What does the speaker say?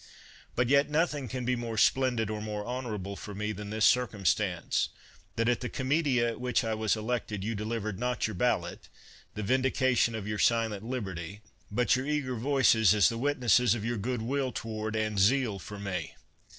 But yet nothing can be more splen did or more honorable for me than this circum stance, — ^that at the comitia at which I was elected you delivered not your ballot, the vindi cation of your silent liberty, but your eager voices as the witnesses of your good will toward and zeal for me.